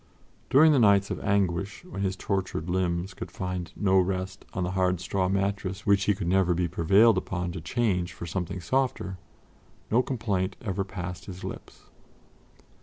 During the nights of anguish, when his tortured limbs could find no rest on the hard straw mattress which he could never be prevailed upon to change for something softer, no complaint ever passed his lips.